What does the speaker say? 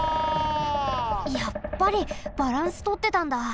やっぱりバランスとってたんだ。